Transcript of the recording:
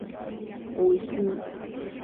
おいう